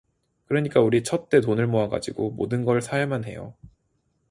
그러니까 우린 첫대 돈을 모아 가지구 모든 걸 사야만 해요.